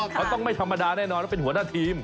เขาต้องไม่ธรรมดาแน่นอนว่าเป็นหัวหน้าทีม